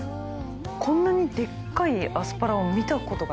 こんなにでっかいアスパラを見たことがない。